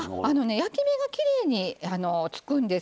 焼き目がきれいにつくんです。